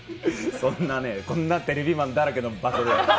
そんなね、こんなテレビマンだらけの場所で。